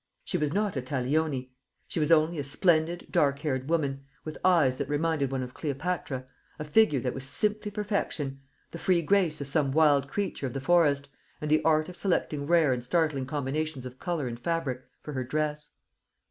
She was not a Taglioni; she was only a splendid dark haired woman, with eyes that reminded one of Cleopatra, a figure that was simply perfection, the free grace of some wild creature of the forest, and the art of selecting rare and startling combinations of colour and fabric for her dress.